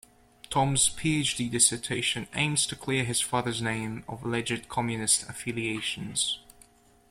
Tom's PhD dissertation aims to clear his father's name of alleged Communist affiliations.